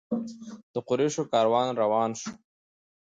د قریشو کاروان روان شو.